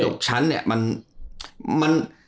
กชั้นเนี่ยมัน